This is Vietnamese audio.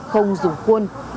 không dùng cuôn